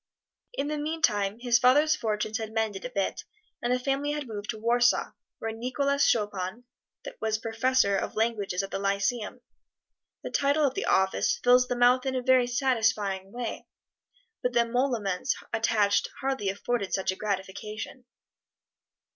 In the meantime his father's fortunes had mended a bit, and the family had moved to Warsaw, where Nicholas Chopin was Professor of Languages at the Lyceum. The title of the office fills the mouth in a very satisfying way, but the emoluments attached hardly afforded such a gratification.